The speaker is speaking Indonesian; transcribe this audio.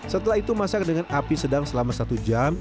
setelah itu masak dengan api sedang selama satu jam